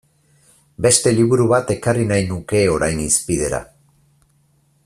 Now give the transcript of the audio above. Beste liburu bat ekarri nahi nuke orain hizpidera.